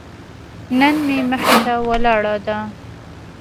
نن مې مخې ته ولاړه ده.